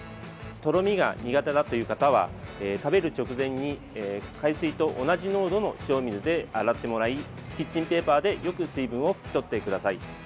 とろみが苦手だという方は食べる直前に海水と同じ濃度の塩水で洗ってもらいキッチンペーパーでよく水分を拭き取ってください。